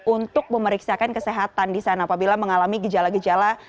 untuk memeriksakan kesehatan di sana apabila mengalami gejala gejala